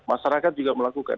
masyarakat juga melakukan